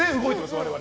我々。